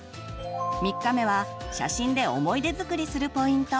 ３日目は写真で思い出づくりするポイント。